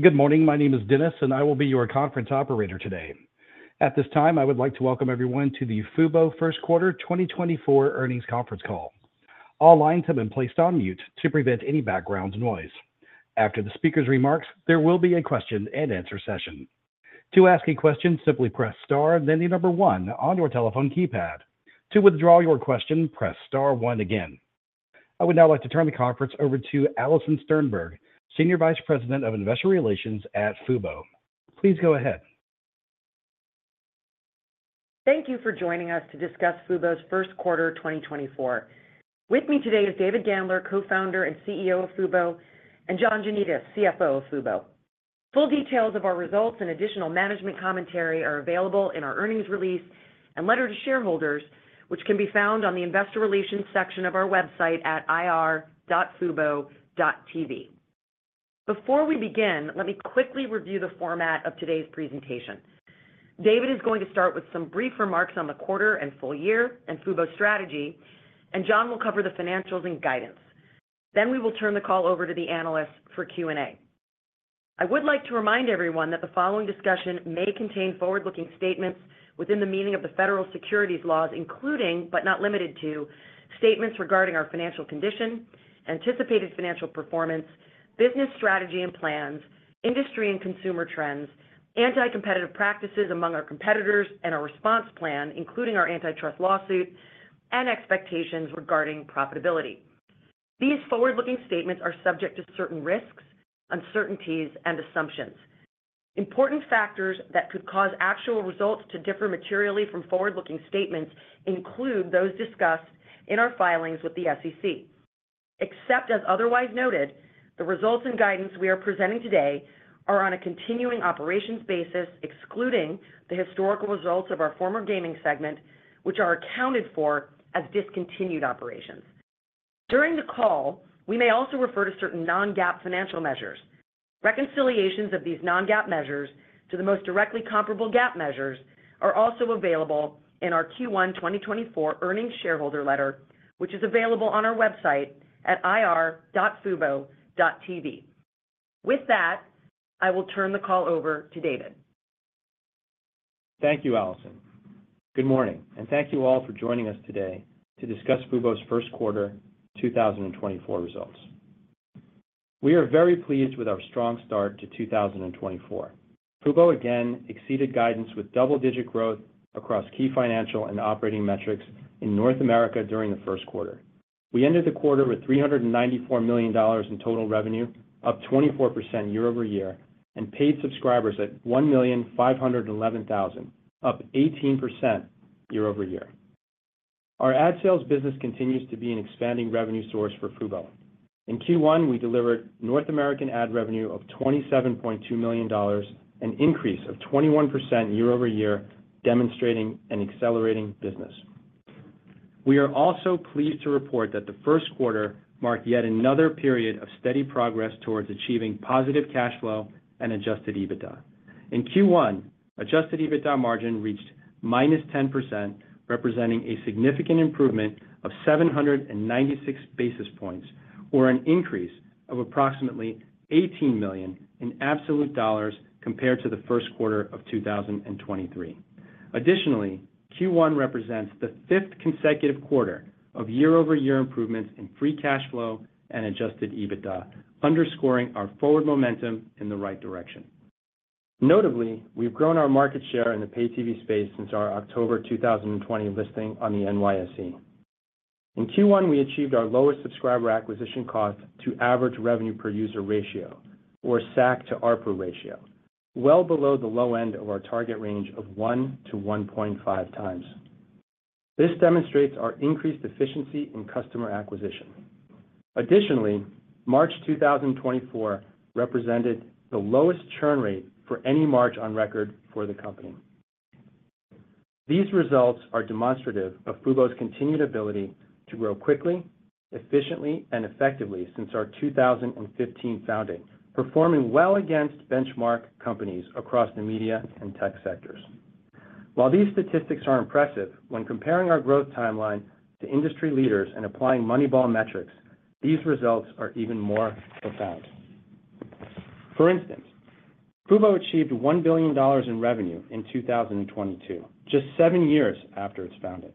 Good morning. My name is Dennis, and I will be your conference operator today. At this time, I would like to welcome everyone to the Fubo First Quarter 2024 Earnings Conference Call. All lines have been placed on mute to prevent any background noise. After the speaker's remarks, there will be a question-and-answer session. To ask a question, simply press star, then the number one on your telephone keypad. To withdraw your question, press star one again. I would now like to turn the conference over to Alison Sternberg, Senior Vice President of Investor Relations at Fubo. Please go ahead. Thank you for joining us to discuss Fubo's first quarter 2024. With me today is David Gandler, Co-founder and CEO of Fubo, and John Janedis, CFO of Fubo. Full details of our results and additional management commentary are available in our earnings release and letter to shareholders, which can be found on the Investor Relations section of our website at ir.fubo.tv. Before we begin, let me quickly review the format of today's presentation. David is going to start with some brief remarks on the quarter and full year and Fubo's strategy, and John will cover the financials and guidance. Then we will turn the call over to the analysts for Q&A. I would like to remind everyone that the following discussion may contain forward-looking statements within the meaning of the federal securities laws, including, but not limited to, statements regarding our financial condition, anticipated financial performance, business strategy and plans, industry and consumer trends, anti-competitive practices among our competitors and our response plan, including our antitrust lawsuit, and expectations regarding profitability. These forward-looking statements are subject to certain risks, uncertainties, and assumptions. Important factors that could cause actual results to differ materially from forward-looking statements include those discussed in our filings with the SEC. Except as otherwise noted, the results and guidance we are presenting today are on a continuing operations basis, excluding the historical results of our former gaming segment, which are accounted for as discontinued operations. During the call, we may also refer to certain non-GAAP financial measures. Reconciliations of these non-GAAP measures to the most directly comparable GAAP measures are also available in our Q1 2024 earnings shareholder letter, which is available on our website at ir.fubo.tv. With that, I will turn the call over to David. Thank you, Allison. Good morning, and thank you all for joining us today to discuss Fubo's first quarter 2024 results. We are very pleased with our strong start to 2024. Fubo again exceeded guidance with double-digit growth across key financial and operating metrics in North America during the first quarter. We ended the quarter with $394 million in total revenue, up 24% year-over-year, and paid subscribers at 1,511,000, up 18% year-over-year. Our ad sales business continues to be an expanding revenue source for Fubo. In Q1, we delivered North American ad revenue of $27.2 million, an increase of 21% year-over-year, demonstrating an accelerating business. We are also pleased to report that the first quarter marked yet another period of steady progress towards achieving positive cash flow and Adjusted EBITDA. In Q1, Adjusted EBITDA margin reached -10%, representing a significant improvement of 796 basis points, or an increase of approximately $18 million in absolute dollars compared to the first quarter of 2023. Additionally, Q1 represents the fifth consecutive quarter of year-over-year improvements in free cash flow and Adjusted EBITDA, underscoring our forward momentum in the right direction. Notably, we've grown our market share in the paid TV space since our October 2020 listing on the NYSE. In Q1, we achieved our lowest subscriber acquisition cost to average revenue per user ratio, or SAC to ARPU ratio, well below the low end of our target range of 1x-1.5x. This demonstrates our increased efficiency in customer acquisition. Additionally, March 2024 represented the lowest churn rate for any March on record for the company. These results are demonstrative of Fubo's continued ability to grow quickly, efficiently, and effectively since our 2015 founding, performing well against benchmark companies across the media and tech sectors. While these statistics are impressive, when comparing our growth timeline to industry leaders and applying Moneyball metrics, these results are even more profound. For instance, Fubo achieved $1 billion in revenue in 2022, just seven years after its founding.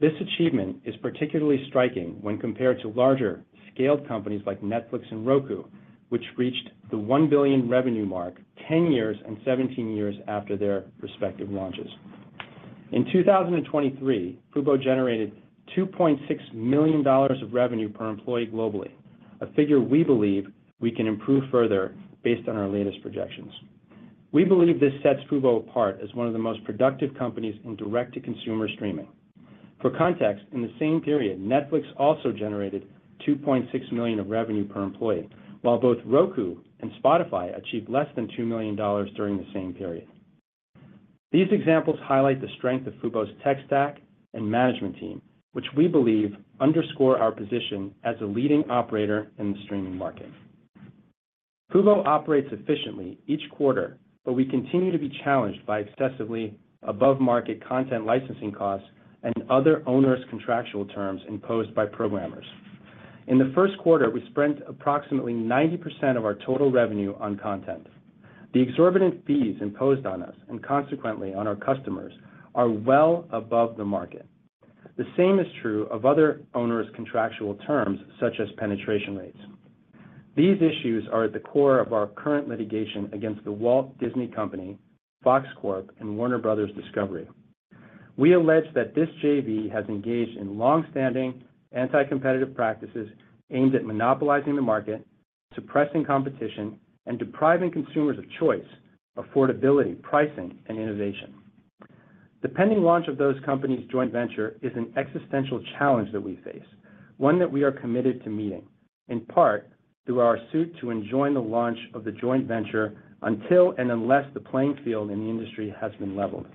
This achievement is particularly striking when compared to larger-scaled companies like Netflix and Roku, which reached the $1 billion revenue mark 10 years and 17 years after their respective launches. In 2023, Fubo generated $2.6 million of revenue per employee globally, a figure we believe we can improve further based on our latest projections. We believe this sets Fubo apart as one of the most productive companies in direct-to-consumer streaming. For context, in the same period, Netflix also generated $2.6 million of revenue per employee, while both Roku and Spotify achieved less than $2 million during the same period. These examples highlight the strength of Fubo's tech stack and management team, which we believe underscore our position as a leading operator in the streaming market. Fubo operates efficiently each quarter, but we continue to be challenged by excessively above-market content licensing costs and other onerous contractual terms imposed by programmers. In the first quarter, we spent approximately 90% of our total revenue on content. The exorbitant fees imposed on us, and consequently on our customers, are well above the market. The same is true of other owners' contractual terms, such as penetration rates. These issues are at the core of our current litigation against The Walt Disney Company, Fox Corporation, and Warner Bros. Discovery. We allege that this JV has engaged in long-standing anti-competitive practices aimed at monopolizing the market, suppressing competition, and depriving consumers of choice, affordability, pricing, and innovation. The pending launch of those companies' joint venture is an existential challenge that we face, one that we are committed to meeting, in part through our suit to enjoin the launch of the joint venture until and unless the playing field in the industry has been leveled.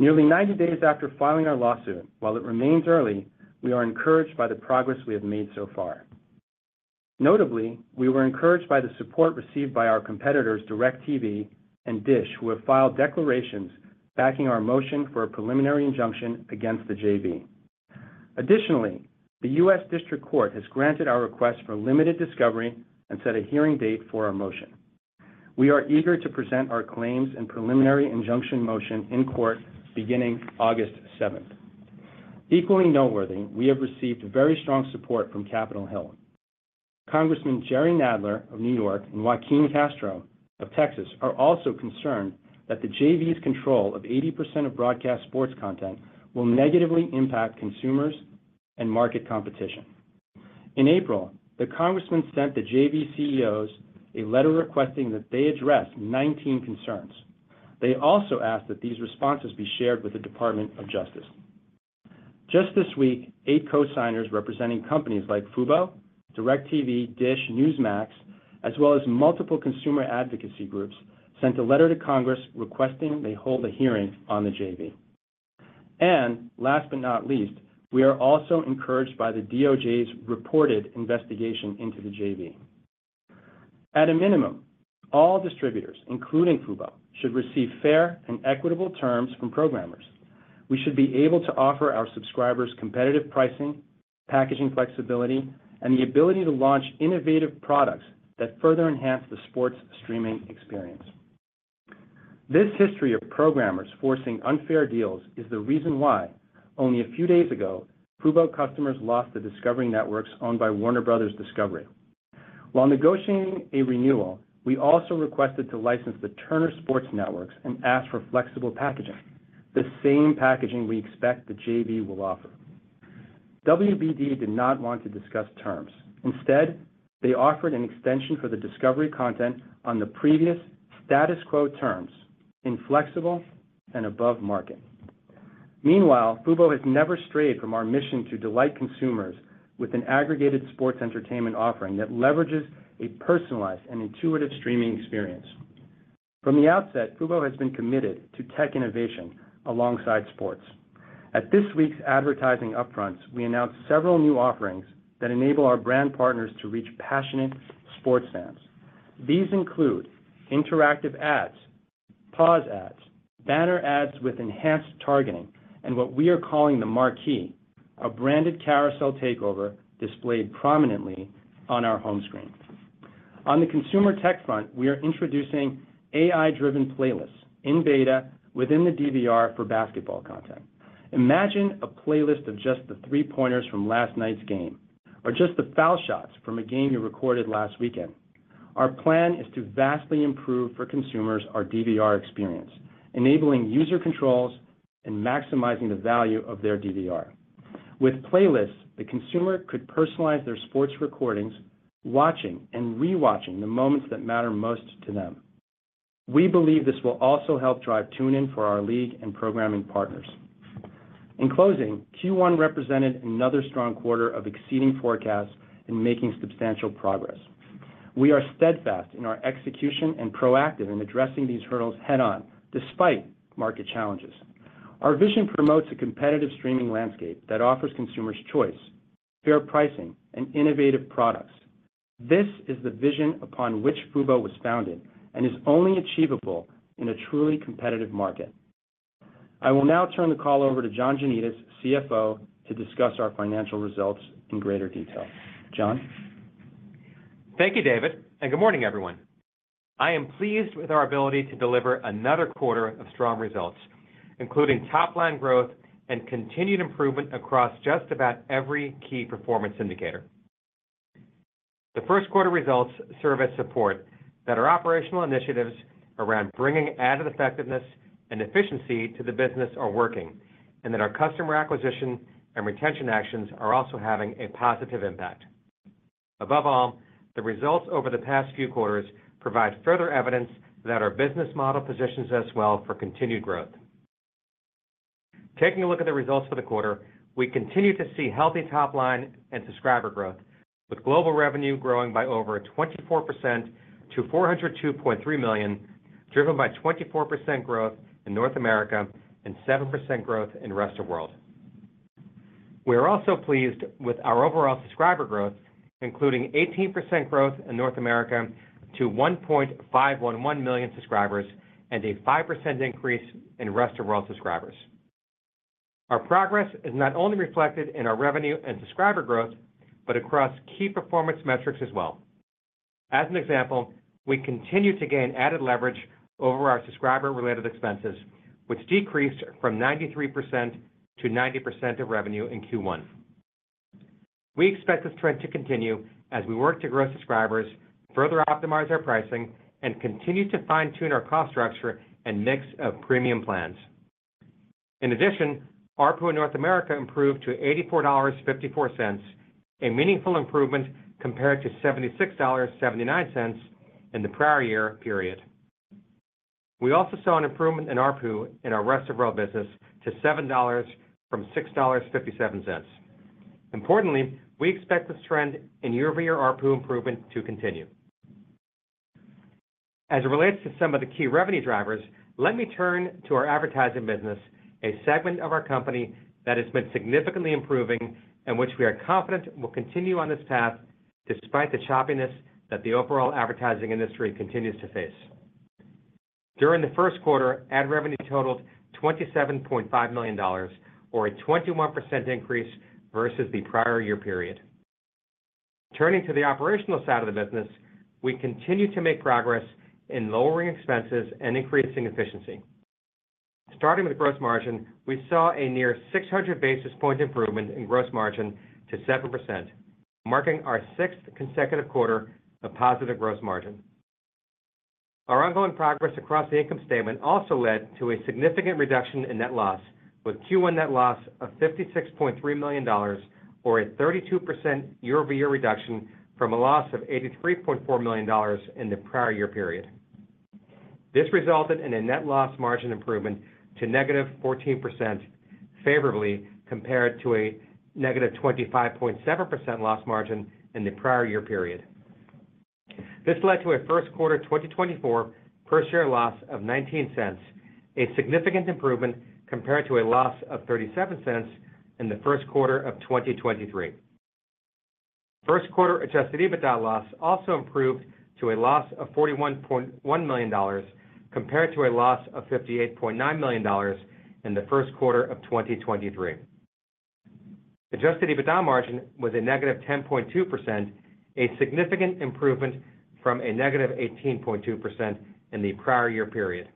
Nearly 90 days after filing our lawsuit, while it remains early, we are encouraged by the progress we have made so far. Notably, we were encouraged by the support received by our competitors, DIRECTV and DISH, who have filed declarations backing our motion for a preliminary injunction against the JV. Additionally, the U.S. District Court has granted our request for limited Discovery and set a hearing date for our motion. We are eager to present our claims and preliminary injunction motion in court beginning August 7. Equally noteworthy, we have received very strong support from Capitol Hill. Congressman Jerry Nadler of New York and Joaquin Castro of Texas are also concerned that the JV's control of 80% of broadcast sports content will negatively impact consumers and market competition. In April, the Congressmen sent the JV CEOs a letter requesting that they address 19 concerns. They also asked that these responses be shared with the Department of Justice. Just this week, eight cosigners representing companies like Fubo, DIRECTV, DISH, Newsmax, as well as multiple consumer advocacy groups, sent a letter to Congress requesting they hold a hearing on the JV. Last but not least, we are also encouraged by the DOJ's reported investigation into the JV. At a minimum, all distributors, including Fubo, should receive fair and equitable terms from programmers. We should be able to offer our subscribers competitive pricing, packaging flexibility, and the ability to launch innovative products that further enhance the sports streaming experience. This history of programmers forcing unfair deals is the reason why, only a few days ago, Fubo customers lost the Discovery networks owned by Warner Bros. Discovery. While negotiating a renewal, we also requested to license the Turner Sports networks and asked for flexible packaging, the same packaging we expect the JV will offer. WBD did not want to discuss terms. Instead, they offered an extension for the Discovery content on the previous status quo terms, inflexible and above market. Meanwhile, Fubo has never strayed from our mission to delight consumers with an aggregated sports entertainment offering that leverages a personalized and intuitive streaming experience. From the outset, Fubo has been committed to tech innovation alongside sports. At this week's advertising Upfronts, we announced several new offerings that enable our brand partners to reach passionate sports fans. These include Interactive Ads, Pause Ads, banner ads with enhanced targeting, and what we are calling the Marquee, a branded carousel takeover displayed prominently on our home screen. On the consumer tech front, we are introducing AI-driven playlists in beta within the DVR for basketball content. Imagine a playlist of just the three-pointers from last night's game, or just the foul shots from a game you recorded last weekend. Our plan is to vastly improve for consumers our DVR experience, enabling user controls and maximizing the value of their DVR. With playlists, the consumer could personalize their sports recordings, watching and rewatching the moments that matter most to them. We believe this will also help drive tune-in for our league and programming partners. In closing, Q1 represented another strong quarter of exceeding forecasts and making substantial progress. We are steadfast in our execution and proactive in addressing these hurdles head-on, despite market challenges. Our vision promotes a competitive streaming landscape that offers consumers choice, fair pricing, and innovative products. This is the vision upon which Fubo was founded and is only achievable in a truly competitive market. I will now turn the call over to John Janedis, CFO, to discuss our financial results in greater detail. John? Thank you, David, and good morning, everyone. I am pleased with our ability to deliver another quarter of strong results, including top-line growth and continued improvement across just about every key performance indicator. The first quarter results serve as support that our operational initiatives around bringing added effectiveness and efficiency to the business are working, and that our customer acquisition and retention actions are also having a positive impact. Above all, the results over the past few quarters provide further evidence that our business model positions us well for continued growth. Taking a look at the results for the quarter, we continue to see healthy top-line and subscriber growth, with global revenue growing by over 24% to $402.3 million, driven by 24% growth in North America and 7% growth in Rest of World. We are also pleased with our overall subscriber growth, including 18% growth in North America to 1.511 million subscribers and a 5% increase in Rest of World subscribers. Our progress is not only reflected in our revenue and subscriber growth, but across key performance metrics as well. As an example, we continue to gain added leverage over our subscriber-related expenses, which decreased from 93% to 90% of revenue in Q1. We expect this trend to continue as we work to grow subscribers, further optimize our pricing, and continue to fine-tune our cost structure and mix of premium plans. In addition, ARPU in North America improved to $84.54, a meaningful improvement compared to $76.79 in the prior year period. We also saw an improvement in ARPU in our Rest of World business to $7 from $6.57. Importantly, we expect this trend in year-over-year ARPU improvement to continue. As it relates to some of the key revenue drivers, let me turn to our advertising business, a segment of our company that has been significantly improving, and which we are confident will continue on this path despite the choppiness that the overall advertising industry continues to face. During the first quarter, ad revenue totaled $27.5 million, or a 21% increase versus the prior year period. Turning to the operational side of the business, we continue to make progress in lowering expenses and increasing efficiency. Starting with gross margin, we saw a near 600 basis point improvement in gross margin to 7%, marking our sixth consecutive quarter of positive gross margin. Our ongoing progress across the income statement also led to a significant reduction in net loss, with Q1 net loss of $56.3 million, or a 32% year-over-year reduction from a loss of $83.4 million in the prior year period. This resulted in a net loss margin improvement to -14%, favorably compared to a -25.7% loss margin in the prior year period. This led to a first quarter 2024 per-share loss of $0.19, a significant improvement compared to a loss of $0.37 in the first quarter of 2023. First quarter Adjusted EBITDA loss also improved to a loss of $41.1 million, compared to a loss of $58.9 million in the first quarter of 2023. Adjusted EBITDA margin was -10.2%, a significant improvement from -18.2% in the prior year period.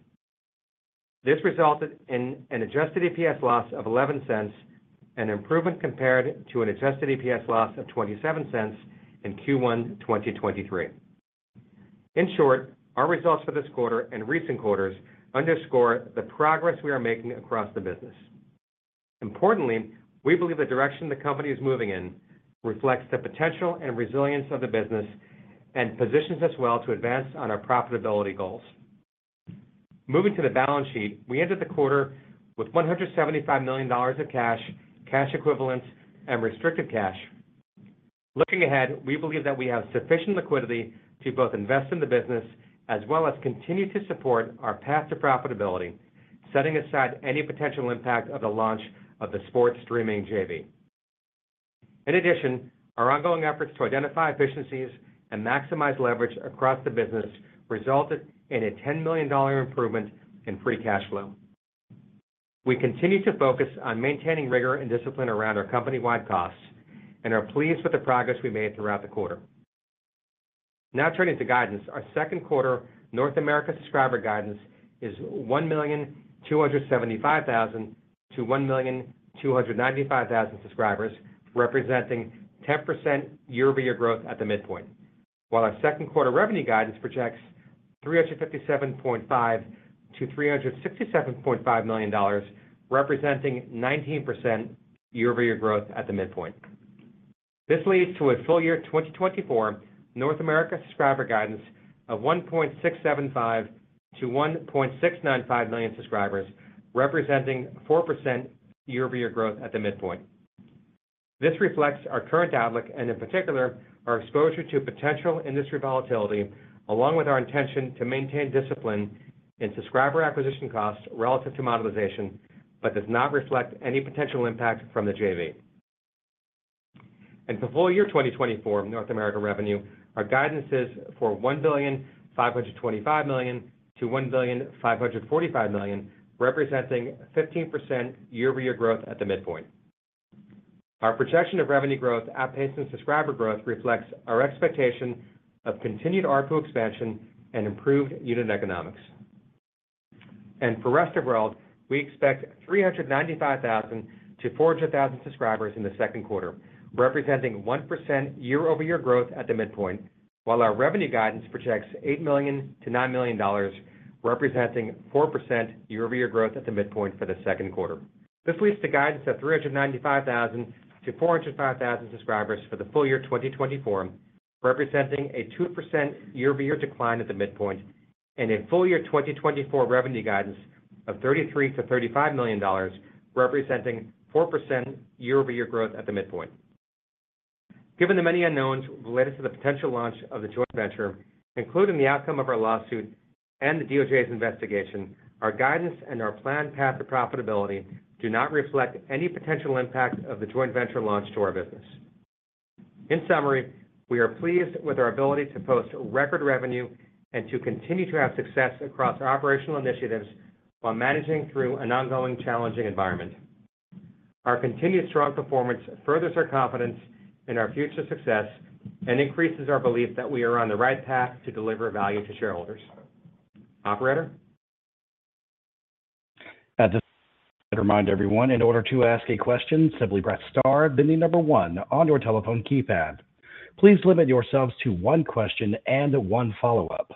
This resulted in an adjusted EPS loss of $0.11, an improvement compared to an adjusted EPS loss of $0.27 in Q1 2023. In short, our results for this quarter and recent quarters underscore the progress we are making across the business. Importantly, we believe the direction the company is moving in reflects the potential and resilience of the business and positions us well to advance on our profitability goals. Moving to the balance sheet, we ended the quarter with $175 million of cash, cash equivalents, and restricted cash. Looking ahead, we believe that we have sufficient liquidity to both invest in the business as well as continue to support our path to profitability, setting aside any potential impact of the launch of the sports streaming JV. In addition, our ongoing efforts to identify efficiencies and maximize leverage across the business resulted in a $10 million improvement in free cash flow. We continue to focus on maintaining rigor and discipline around our company-wide costs, and are pleased with the progress we made throughout the quarter. Now turning to guidance. Our second quarter North America subscriber guidance is 1,275,000-1,295,000 subscribers, representing 10% year-over-year growth at the midpoint. While our second quarter revenue guidance projects $357.5 million-$367.5 million, representing 19% year-over-year growth at the midpoint. This leads to a full year 2024 North America subscriber guidance of 1.675 million-1.695 million subscribers, representing 4% year-over-year growth at the midpoint. This reflects our current outlook, and in particular, our exposure to potential industry volatility, along with our intention to maintain discipline in subscriber acquisition costs relative to monetization, but does not reflect any potential impact from the JV. For full year 2024 North America revenue, our guidance is for $1.525 billion-$1.545 billion, representing 15% year-over-year growth at the midpoint. Our projection of revenue growth outpaced, and subscriber growth reflects our expectation of continued ARPU expansion and improved unit economics. For Rest of World, we expect 395,000-400,000 subscribers in the second quarter, representing 1% year-over-year growth at the midpoint, while our revenue guidance projects $8 million-$9 million, representing 4% year-over-year growth at the midpoint for the second quarter. This leads to guidance of 395,000-405,000 subscribers for the full year 2024, representing a 2% year-over-year decline at the midpoint, and a full year 2024 revenue guidance of $33 million-$35 million, representing 4% year-over-year growth at the midpoint. Given the many unknowns related to the potential launch of the joint venture, including the outcome of our lawsuit and the DOJ's investigation, our guidance and our planned path to profitability do not reflect any potential impact of the joint venture launch to our business. In summary, we are pleased with our ability to post record revenue and to continue to have success across operational initiatives, while managing through an ongoing challenging environment. Our continued strong performance furthers our confidence in our future success, and increases our belief that we are on the right path to deliver value to shareholders. Operator? At this, remind everyone, in order to ask a question, simply press star, then the number one on your telephone keypad. Please limit yourselves to one question and one follow-up.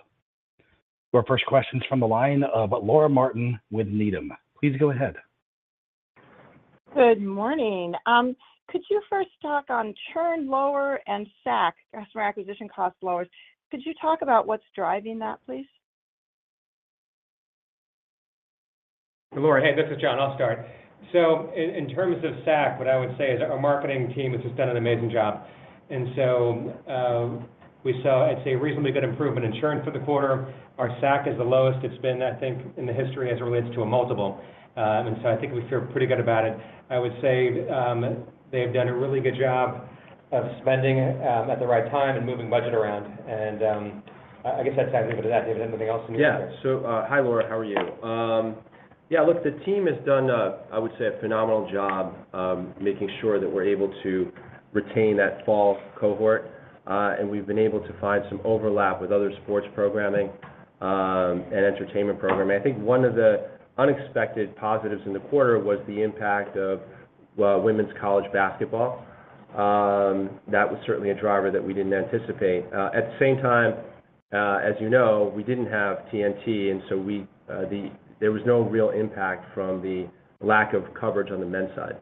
Our first question's from the line of Laura Martin with Needham. Please go ahead. Good morning. Could you first talk on churn lower and SAC, customer acquisition cost lowers? Could you talk about what's driving that, please? Laura, hey, this is John. I'll start. So in terms of SAC, what I would say is our marketing team has just done an amazing job. And so, we saw, I'd say, a reasonably good improvement in churn for the quarter. Our SAC is the lowest it's been, I think, in the history as it relates to a multiple. And so I think we feel pretty good about it. I would say, they've done a really good job of spending at the right time and moving budget around. And, I guess, I'd say I'd leave it at that. David, anything else you wanna say? Yeah. So, Hi, Laura, how are you? Yeah, look, the team has done a, I would say, a phenomenal job, making sure that we're able to retain that fall cohort, and we've been able to find some overlap with other sports programming, and entertainment programming. I think one of the unexpected positives in the quarter was the impact of, well, women's college basketball. That was certainly a driver that we didn't anticipate. At the same time, as you know, we didn't have TNT, and so we, there was no real impact from the lack of coverage on the men's side.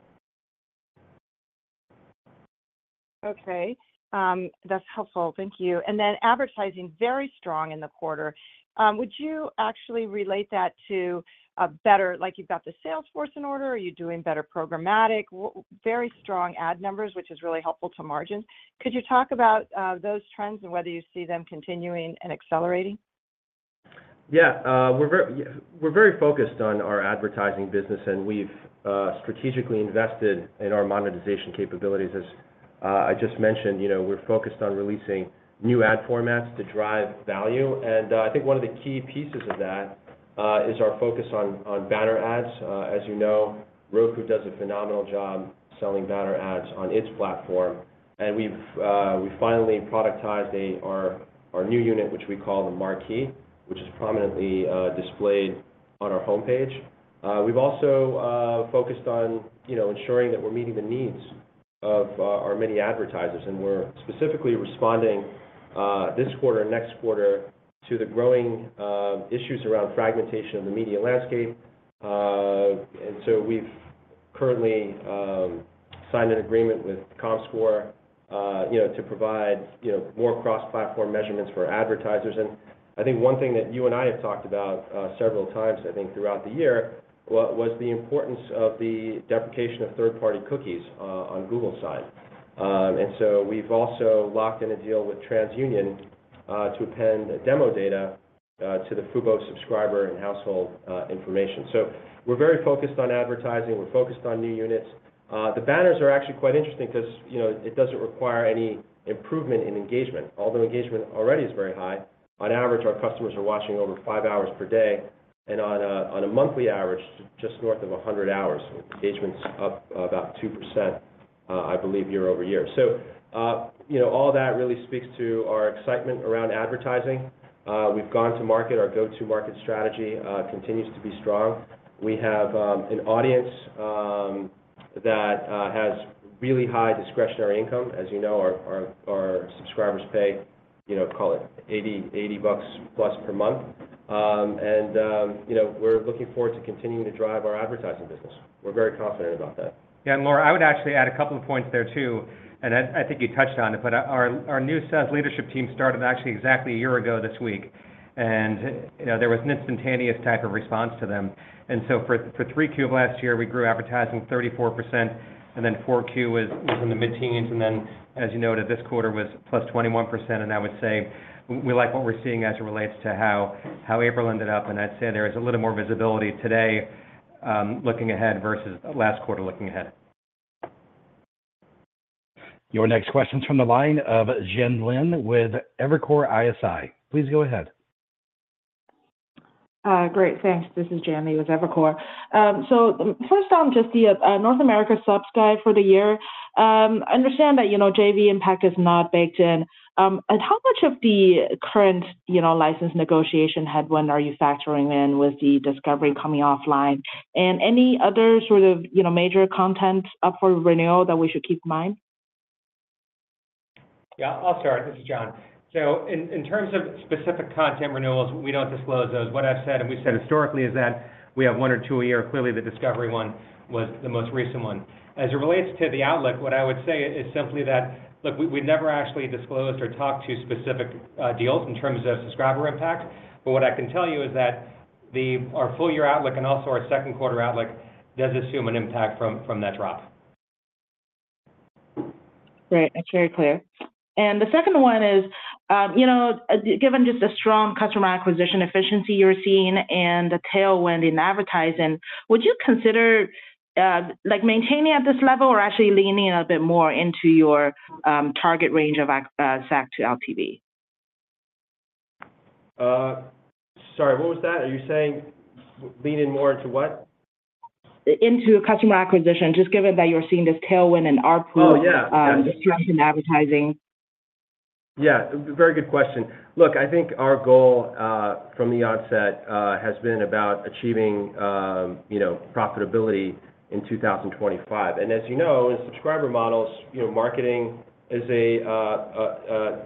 Okay. That's helpful. Thank you. And then advertising, very strong in the quarter. Would you actually relate that to a better—like, you've got the sales force in order? Are you doing better programmatic? Very strong ad numbers, which is really helpful to margin. Could you talk about those trends and whether you see them continuing and accelerating? Yeah, we're very focused on our advertising business, and we've strategically invested in our monetization capabilities. As I just mentioned, you know, we're focused on releasing new ad formats to drive value. And I think one of the key pieces of that is our focus on banner ads. As you know, Roku does a phenomenal job selling banner ads on its platform, and we've finally productized our new unit, which we call the Marquee, which is prominently displayed on our homepage. We've also focused on, you know, ensuring that we're meeting the needs of our many advertisers, and we're specifically responding this quarter and next quarter to the growing issues around fragmentation of the media landscape. And so we've currently signed an agreement with Comscore, you know, to provide, you know, more cross-platform measurements for advertisers. And I think one thing that you and I have talked about several times, I think, throughout the year, was the importance of the deprecation of third-party cookies on Google side. And so we've also locked in a deal with TransUnion to append demo data to the Fubo subscriber and household information. So we're very focused on advertising, we're focused on new units. The banners are actually quite interesting 'cause, you know, it doesn't require any improvement in engagement, although engagement already is very high. On average, our customers are watching over five hours per day, and on a monthly average, just north of 100 hours, engagement's up about 2%, I believe, year-over-year. So, you know, all that really speaks to our excitement around advertising. We've gone to market. Our go-to-market strategy continues to be strong. We have an audience that has really high discretionary income. As you know, our subscribers pay, you know, call it $80+ per month. And, you know, we're looking forward to continuing to drive our advertising business. We're very confident about that. Yeah, and Laura, I would actually add a couple of points there, too, and I think you touched on it, but our new sales leadership team started actually exactly a year ago this week, and, you know, there was an instantaneous type of response to them. And so for Q3 of last year, we grew advertising 34%, and then Q4 was in the mid-teens, and then, as you noted, this quarter was +21%. And I would say, we like what we're seeing as it relates to how April ended up, and I'd say there is a little more visibility today, looking ahead versus last quarter looking ahead. Your next question's from the line of Jenny Lin with Evercore ISI. Please go ahead. Great. Thanks. This is Jenny with Evercore. So first on just the North America subs guide for the year, I understand that, you know, JV impact is not baked in. And how much of the current, you know, license negotiation headwind are you factoring in with the Discovery coming offline? And any other sort of, you know, major content up for renewal that we should keep in mind? Yeah, I'll start. This is John. So in terms of specific content renewals, we don't disclose those. What I've said and we've said historically is that we have one or two a year. Clearly, the Discovery one was the most recent one. As it relates to the outlook, what I would say is simply that, look, we never actually disclosed or talked to specific deals in terms of subscriber impact. But what I can tell you is that our full year outlook and also our second quarter outlook does assume an impact from that drop. Great. That's very clear. ...And the second one is, you know, given just the strong customer acquisition efficiency you're seeing and the tailwind in advertising, would you consider, like, maintaining at this level or actually leaning a bit more into your target range of SAC to LTV? Sorry, what was that? Are you saying leaning more into what? Into customer acquisition, just given that you're seeing this tailwind in ARPU- Oh, yeah disruption in advertising. Yeah, very good question. Look, I think our goal from the onset has been about achieving, you know, profitability in 2025. And as you know, in subscriber models, you know, marketing is a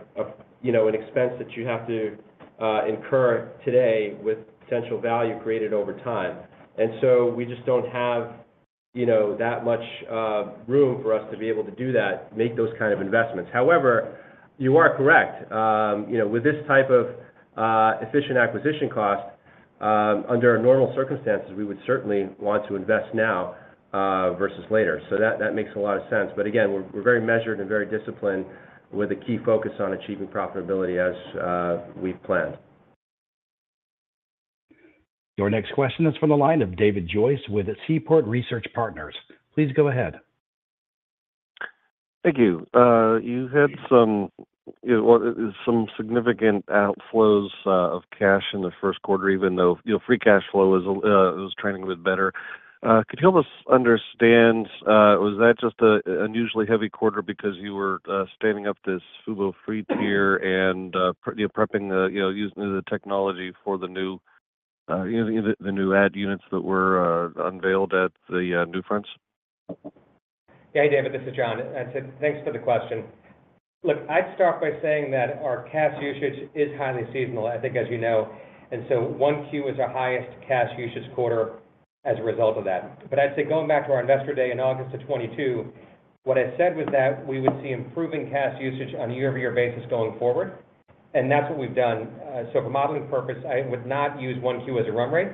you know an expense that you have to incur today with potential value created over time. And so we just don't have, you know, that much room for us to be able to do that, make those kind of investments. However, you are correct. You know, with this type of efficient acquisition cost, under normal circumstances, we would certainly want to invest now versus later. So that makes a lot of sense. But again, we're very measured and very disciplined with a key focus on achieving profitability as we've planned. Your next question is from the line of David Joyce with Seaport Research Partners. Please go ahead. Thank you. You had some, well, some significant outflows of cash in the first quarter, even though, you know, free cash flow was trending a bit better. Could you help us understand, was that just an unusually heavy quarter because you were standing up this Fubo Free tier and prepping, you know, using the technology for the new, the new ad units that were unveiled at the NewFronts? Hey, David, this is John, and so thanks for the question. Look, I'd start by saying that our cash usage is highly seasonal, I think, as you know, and so Q1 is our highest cash usage quarter as a result of that. But I'd say going back to our Investor Day in August of 2022, what I said was that we would see improving cash usage on a year-over-year basis going forward, and that's what we've done. So for modeling purpose, I would not use Q1 as a run rate.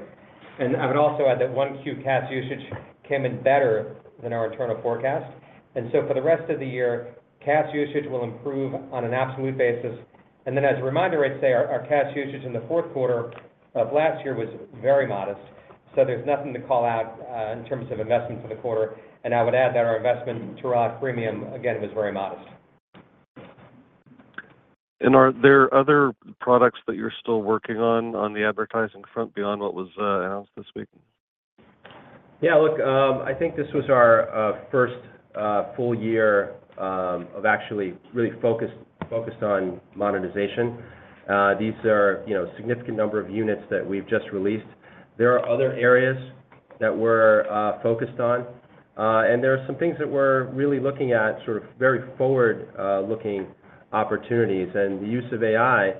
And I would also add that Q1 cash usage came in better than our internal forecast. And so for the rest of the year, cash usage will improve on an absolute basis. And then, as a reminder, I'd say our cash usage in the fourth quarter of last year was very modest, so there's nothing to call out in terms of investments for the quarter. And I would add that our investment to acquire premium, again, was very modest. Are there other products that you're still working on, on the advertising front beyond what was announced this week? Yeah, look, I think this was our first full year of actually really focused on monetization. These are, you know, significant number of units that we've just released. There are other areas that we're focused on, and there are some things that we're really looking at, sort of very forward looking opportunities. And the use of AI,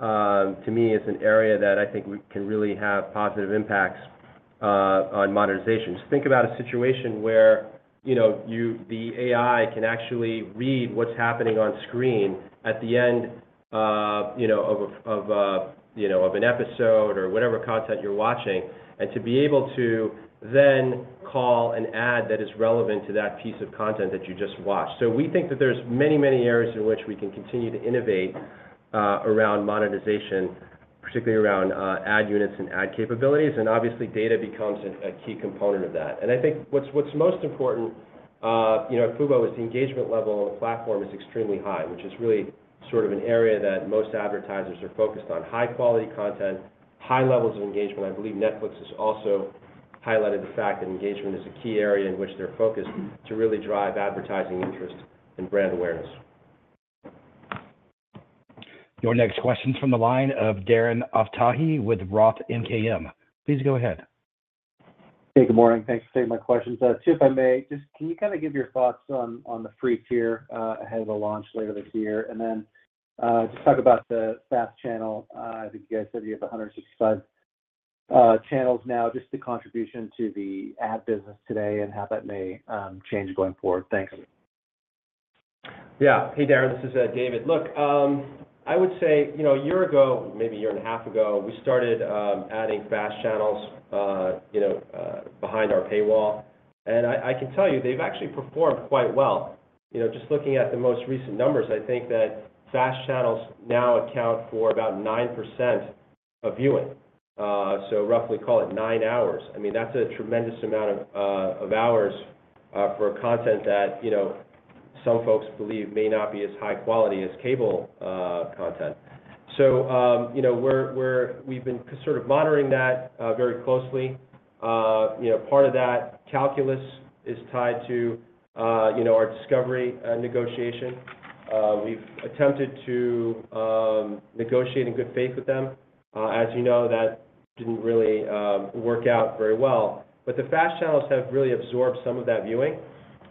to me, is an area that I think we can really have positive impacts on monetization. Just think about a situation where, you know, the AI can actually read what's happening on screen at the end, you know, of an episode or whatever content you're watching, and to be able to then call an ad that is relevant to that piece of content that you just watched. So we think that there's many, many areas in which we can continue to innovate, around monetization, particularly around, ad units and ad capabilities, and obviously, data becomes a key component of that. And I think what's most important, you know, at Fubo, is the engagement level on the platform is extremely high, which is really sort of an area that most advertisers are focused on: high-quality content, high levels of engagement. I believe Netflix has also highlighted the fact that engagement is a key area in which they're focused to really drive advertising interest and brand awareness. Your next question is from the line of Darren Aftahi with Roth MKM. Please go ahead. Hey, good morning. Thanks for taking my questions. Two, if I may. Just, can you kinda give your thoughts on the free tier ahead of the launch later this year? And then, just talk about the FAST channel. I think you guys said you have 165 channels now, just the contribution to the ad business today and how that may change going forward. Thanks. Yeah. Hey, Darren, this is David. Look, I would say, you know, a year ago, maybe a year and a half ago, we started adding FAST channels, you know, behind our paywall. And I can tell you, they've actually performed quite well. You know, just looking at the most recent numbers, I think that FAST channels now account for about 9% of viewing. So roughly call it nine hours. I mean, that's a tremendous amount of hours for content that, you know, some folks believe may not be as high quality as cable content. So, you know, we're-- we've been sort of monitoring that very closely. You know, part of that calculus is tied to, you know, our Discovery negotiation. We've attempted to negotiate in good faith with them. As you know, that didn't really work out very well. But the FAST channels have really absorbed some of that viewing,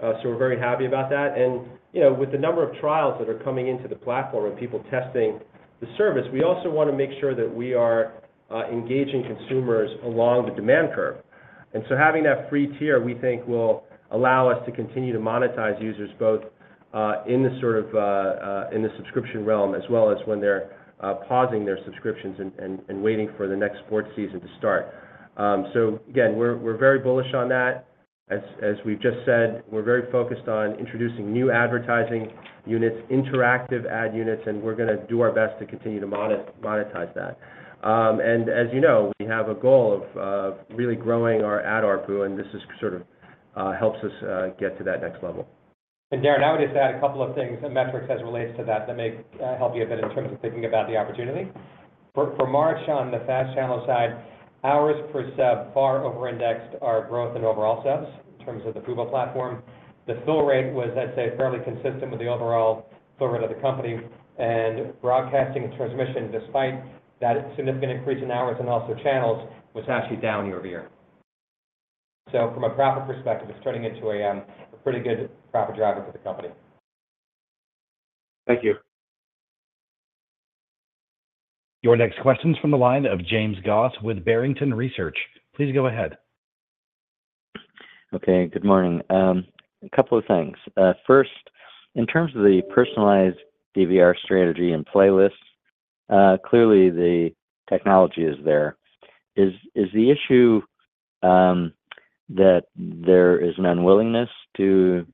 so we're very happy about that. And, you know, with the number of trials that are coming into the platform and people testing the service, we also wanna make sure that we are engaging consumers along the demand curve. And so having that free tier, we think, will allow us to continue to monetize users both in the sort of in the subscription realm, as well as when they're pausing their subscriptions and waiting for the next sports season to start. So again, we're very bullish on that. As we've just said, we're very focused on introducing new advertising units, interactive ad units, and we're gonna do our best to continue to monetize that. And as you know, we have a goal of really growing our ad ARPU, and this is sort of helps us get to that next level. And Darren, I would just add a couple of things and metrics as it relates to that, that may help you a bit in terms of thinking about the opportunity. For March, on the FAST channel side, hours per sub far overindexed our growth in overall subs, in terms of the Fubo platform. The fill rate was, I'd say, fairly consistent with the overall fill rate of the company. And broadcasting and transmission, despite that significant increase in hours and also channels, was actually down year-over-year. So from a profit perspective, it's turning into a pretty good profit driver for the company. Thank you. Your next question is from the line of James Goss with Barrington Research. Please go ahead. Okay, good morning. A couple of things. First, in terms of the personalized DVR strategy and playlists, clearly, the technology is there. Is the issue that there is an unwillingness to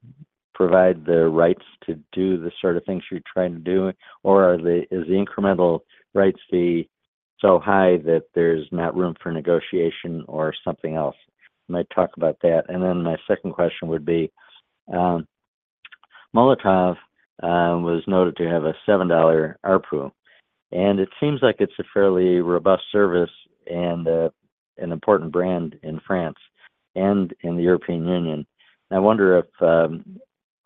provide the rights to do the sort of things you're trying to do? Or is the incremental rights fee so high that there's not room for negotiation or something else? You might talk about that. And then my second question would be, Molotov was noted to have a $7 ARPU, and it seems like it's a fairly robust service and an important brand in France and in the European Union. I wonder if...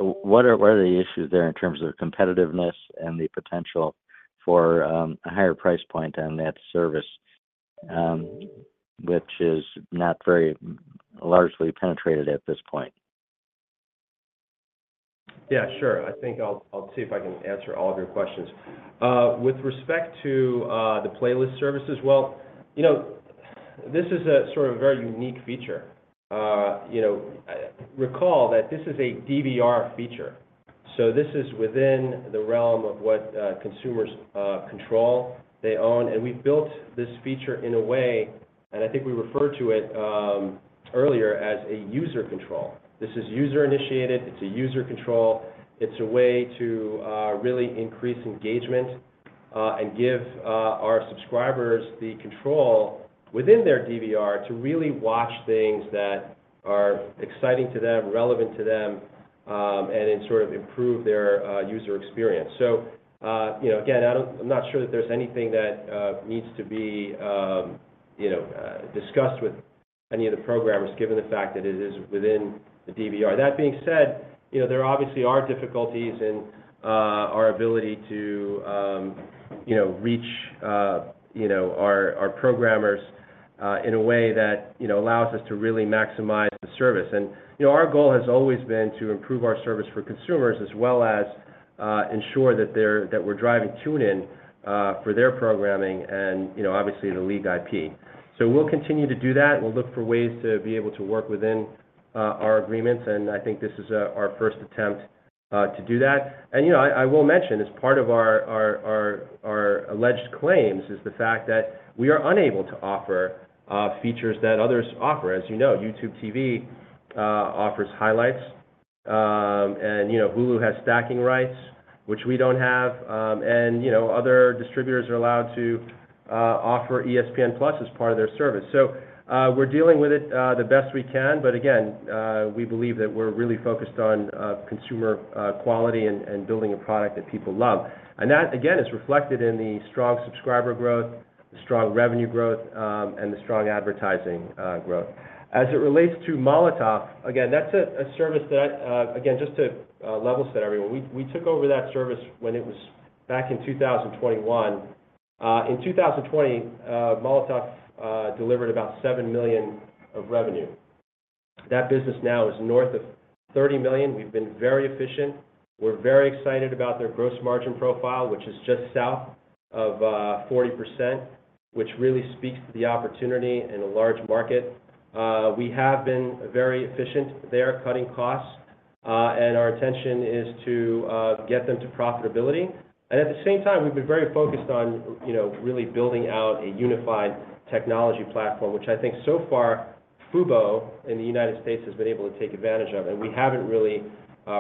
What are the issues there in terms of their competitiveness and the potential for a higher price point on that service, which is not very largely penetrated at this point? Yeah, sure. I think I'll, I'll see if I can answer all of your questions. With respect to the playlist services, well, you know, this is a sort of very unique feature. You know, recall that this is a DVR feature, so this is within the realm of what consumers control, they own. We've built this feature in a way, and I think we referred to it earlier as a user control. This is user-initiated, it's a user control. It's a way to really increase engagement and give our subscribers the control within their DVR to really watch things that are exciting to them, relevant to them, and then sort of improve their user experience. So, you know, again, I don't- I'm not sure that there's anything that needs to be, you know, discussed with any of the programmers, given the fact that it is within the DVR. That being said, you know, there obviously are difficulties in our ability to, you know, reach, you know, our, our programmers in a way that, you know, allows us to really maximize the service. And, you know, our goal has always been to improve our service for consumers, as well as, ensure that they're- that we're driving tune-in for their programming and, you know, obviously, the lead IP. So we'll continue to do that, and we'll look for ways to be able to work within our agreements, and I think this is our first attempt to do that. And, you know, I will mention, as part of our alleged claims is the fact that we are unable to offer features that others offer. As you know, YouTube TV offers highlights, and, you know, Hulu has stacking rights, which we don't have, and, you know, other distributors are allowed to offer ESPN+ as part of their service. So, we're dealing with it the best we can, but again, we believe that we're really focused on consumer quality and building a product that people love. And that, again, is reflected in the strong subscriber growth, the strong revenue growth, and the strong advertising growth. As it relates to Molotov, again, that's a service that, again, just to level set everyone, we took over that service when it was back in 2021. In 2020, Molotov delivered about $7 million of revenue. That business now is north of $30 million. We've been very efficient. We're very excited about their gross margin profile, which is just south of 40%, which really speaks to the opportunity in a large market. We have been very efficient there, cutting costs, and our intention is to get them to profitability. And at the same time, we've been very focused on, you know, really building out a unified technology platform, which I think so far, Fubo, in the United States, has been able to take advantage of, and we haven't really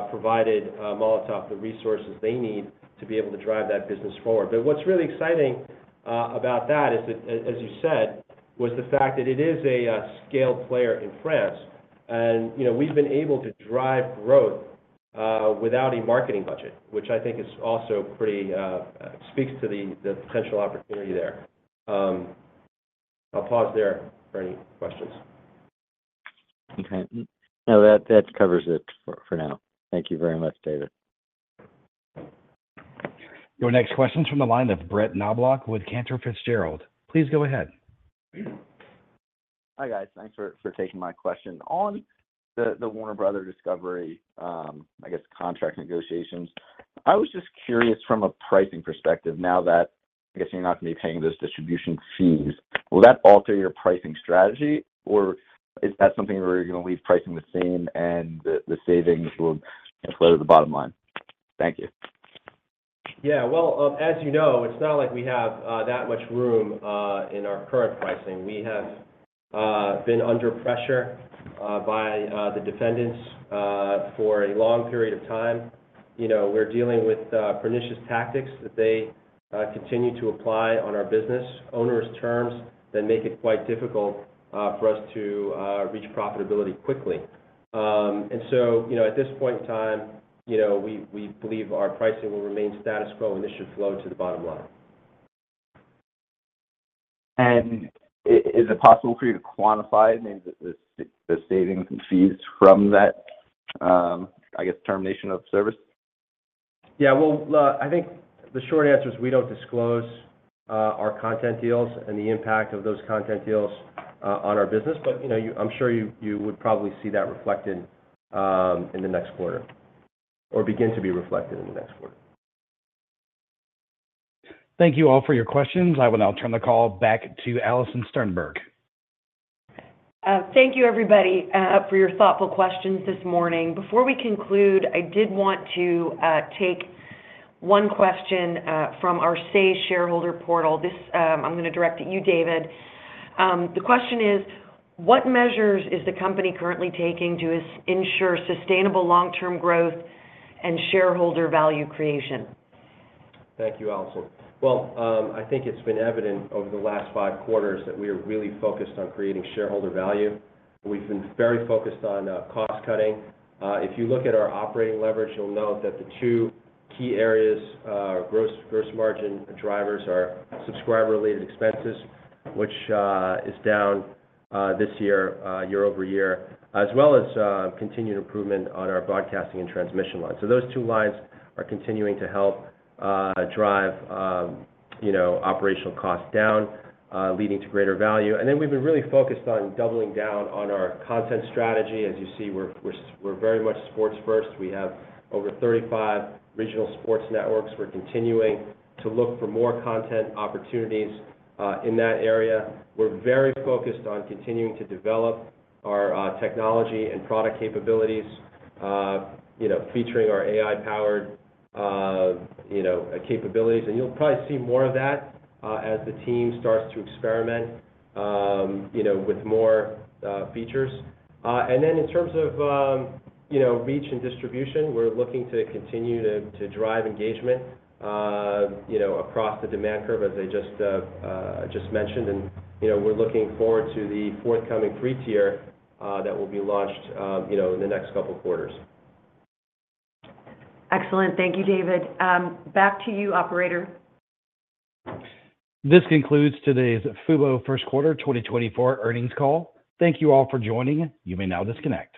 provided Molotov the resources they need to be able to drive that business forward. But what's really exciting about that is that, as you said, was the fact that it is a scaled player in France. And, you know, we've been able to drive growth without a marketing budget, which I think is also pretty speaks to the, the potential opportunity there. I'll pause there for any questions. Okay. No, that covers it for now. Thank you very much, David. Your next question is from the line of Brett Knoblauch with Cantor Fitzgerald. Please go ahead. Hi, guys. Thanks for taking my question. On the Warner Bros. Discovery, I guess, contract negotiations, I was just curious from a pricing perspective, now that, I guess you're not going to be paying those distribution fees, will that alter your pricing strategy, or is that something where you're gonna leave pricing the same and the savings will kind of flow to the bottom line? Thank you. ... Yeah, well, as you know, it's not like we have that much room in our current pricing. We have been under pressure by the defendants for a long period of time. You know, we're dealing with pernicious tactics that they continue to apply on our business, onerous terms that make it quite difficult for us to reach profitability quickly. And so, you know, at this point in time, you know, we, we believe our pricing will remain status quo, and this should flow to the bottom line. Is it possible for you to quantify maybe the savings and fees from that, I guess, termination of service? Yeah. Well, I think the short answer is we don't disclose our content deals and the impact of those content deals on our business. But, you know, you-- I'm sure you would probably see that reflected in the next quarter or begin to be reflected in the next quarter. Thank you all for your questions. I will now turn the call back to Alison Sternberg. Thank you, everybody, for your thoughtful questions this morning. Before we conclude, I did want to take one question from our Say shareholder portal. This, I'm gonna direct at you, David. The question is: what measures is the company currently taking to ensure sustainable long-term growth and shareholder value creation? Thank you, Alison. Well, I think it's been evident over the last five quarters that we are really focused on creating shareholder value. We've been very focused on cost cutting. If you look at our operating leverage, you'll note that the two key areas, gross, gross margin drivers are subscriber-related expenses, which is down this year year-over-year, as well as continued improvement on our broadcasting and transmission lines. So those two lines are continuing to help drive you know operational costs down leading to greater value. And then we've been really focused on doubling down on our content strategy. As you see, we're very much sports first. We have over 35 regional sports networks. We're continuing to look for more content opportunities in that area. We're very focused on continuing to develop our technology and product capabilities, you know, featuring our AI-powered, you know, capabilities. And you'll probably see more of that, as the team starts to experiment, you know, with more features. And then in terms of, you know, reach and distribution, we're looking to continue to drive engagement, you know, across the demand curve, as I just mentioned. And, you know, we're looking forward to the forthcoming free tier that will be launched, you know, in the next couple quarters. Excellent. Thank you, David. Back to you, operator. This concludes today's Fubo first quarter 2024 earnings call. Thank you all for joining. You may now disconnect.